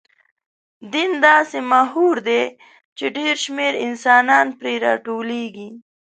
دین داسې محور دی، چې ډېر شمېر انسانان پرې راټولېږي.